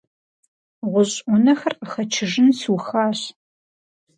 ГъущӀ Ӏунэхэр къыхэчыжын сухащ.